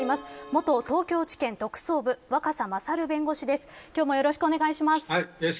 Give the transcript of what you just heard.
元東京地検特捜部若狭勝弁護士です。